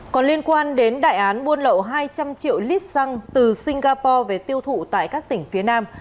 còn liên quan đến đại án buôn lậu hai trăm linh triệu lít xăng từ singapore về tiêu thụ tại các tỉnh phía nam